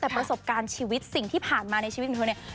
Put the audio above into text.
แต่ประสบการณ์ชีวิตสิ่งที่ผ่านมาในชีวิตของเธอเนี่ย